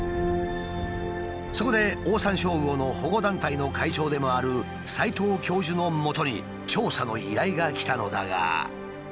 そこでオオサンショウウオの保護団体の会長でもある齊藤教授のもとに調査の依頼が来たのだが。